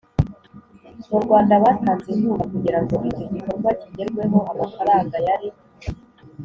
mu Rwanda batanze inkunga kugira ngo icyo gikorwa kigerweho Amafaranga yari